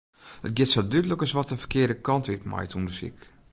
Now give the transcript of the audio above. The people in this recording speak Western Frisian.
It giet sa dúdlik as wat de ferkearde kant út mei it ûndersyk.